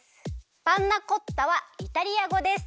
パンナコッタはイタリアごです。